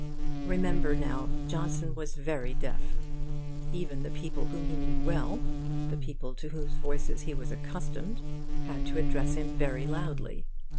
Remember, now, Johnson was very deaf. Even the people whom he knew well, the people to whose voices he was accustomed, had to address him very loudly.